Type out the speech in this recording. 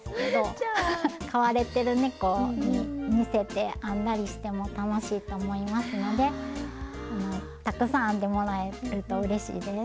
飼われてるねこに似せて編んだりしても楽しいと思いますのでたくさん編んでもらえるとうれしいです。